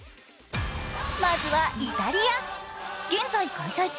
まずはイタリア、現在開催